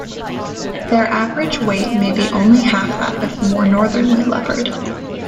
Their average weight may be only half that of the more northerly leopard.